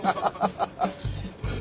ハハハハ！